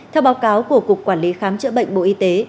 theo báo cáo của cục quản lý khám chữa bệnh bộ y tế